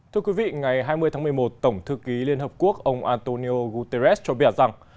thưa quý vị ngày hai mươi tháng một mươi một tổng thư ký liên hợp quốc ông antonio guterres cho biết rằng